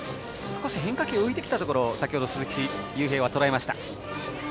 少し変化球浮いてきたところ先ほど鈴木悠平はとらえました。